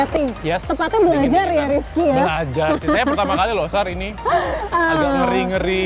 team ya sepatu belajar ya rizky ya belajar sih saya pertama kali loh saat ini agak ngeri ngeri